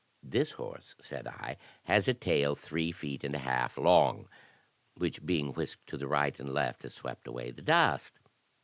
This horse, said I, has a tail three feet and a half long, which being whisked to the right and left, has swept away the dust.